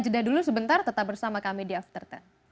jeda dulu sebentar tetap bersama kami di after sepuluh